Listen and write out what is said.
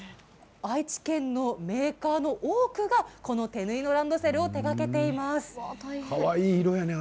愛知県のメーカーの多くがこの手縫いのランドセルをかわいい色やね